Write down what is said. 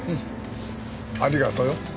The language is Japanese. ありがとよ。